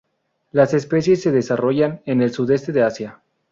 Las especies se desarrollan en el sudeste de Asia.